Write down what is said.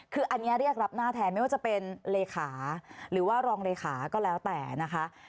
คืออันนี้เรียกรับหน้าแทนไม่ว่าจะเป็นเลขาหรือว่ารองเลขาก็แล้วแต่นะคะ